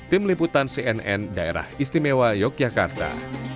tim liputan cnn daerah istimewa yogyakarta